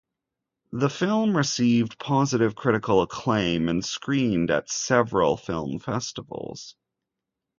The film received positive critical acclaim and screened at several film festivals.